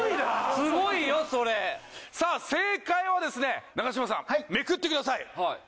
すごいよそれさあ正解はですね永島さんめくってください